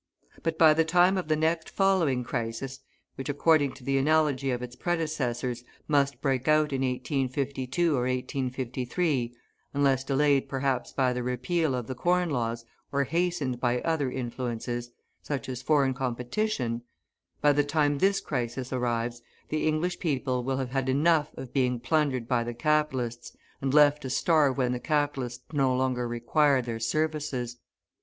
But, by the time of the next following crisis, which, according to the analogy of its predecessors, must break out in 1852 or 1853, unless delayed perhaps by the repeal of the Corn Laws or hastened by other influences, such as foreign competition by the time this crisis arrives, the English people will have had enough of being plundered by the capitalists and left to starve when the capitalists no longer require their services.